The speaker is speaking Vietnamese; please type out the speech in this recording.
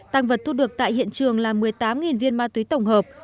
tăng vật thu được tại hiện trường là một mươi tám viên ma túy tổng hợp